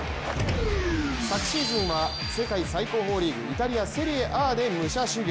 昨シーズンは世界最高峰リーグイタリア・セリエＡで武者修行。